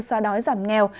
xóa đói giảm nghèo